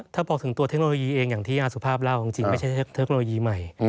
ถ้าบอกถึงตัวเทคโนโลยีเองอย่างที่อาสุภาพเล่าจริงไม่ใช่เทคโนโลยีใหม่